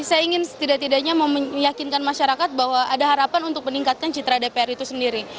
saya ingin setidak tidaknya meyakinkan masyarakat bahwa ada harapan untuk meningkatkan citra dpr itu sendiri